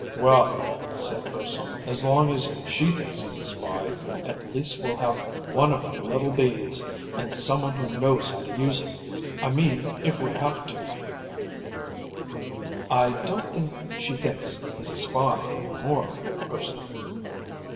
"Well," said Urson, "as long as she thinks he's a spy, at least we'll have one of them little beads and someone who knows how to use it. I mean if we have to." "I don't think she thinks he's a spy any more, Urson."